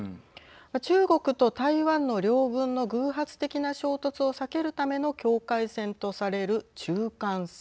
中国と台湾の両軍の偶発的な衝突を避けるための境界線とされる中間線。